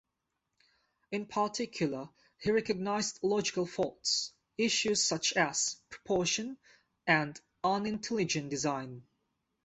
In particular he recognised logical faults, issues such as proportion and unintelligent design.